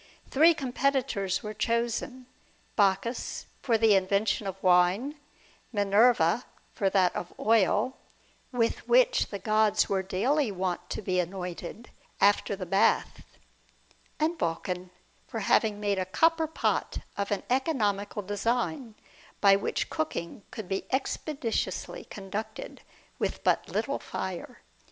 Three competitors were chosen : Bacchus, for the invention of wine ; Minerva, for that of oil, with which the gods were daily wont to be anointed after the bath ; and Vulcan, for having made a copper pot of an economical design, by which cooking could be expedi tiously conducted with but little fire.